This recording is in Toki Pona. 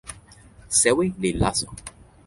sewi li laso.